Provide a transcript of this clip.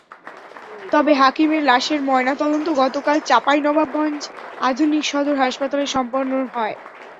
তবে হাকিমের লাশের ময়নাতদন্ত গতকাল চাঁপাইনবাবগঞ্জ আধুনিক সদর হাসপাতালে সম্পন্ন হয়।